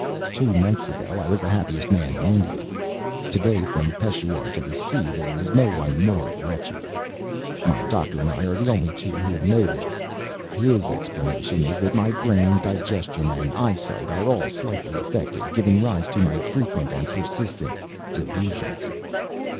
Two months ago I was the happiest man in India. Today, from Peshawur to the sea, there is no one more wretched. My doctor and I are the only two who know this. His explanation is, that my brain, digestion, and eyesight are all slightly affected; giving rise to my frequent and persistent "delusions."